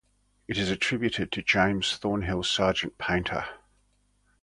It is attributed to James Thornhill - Sargeant Painter.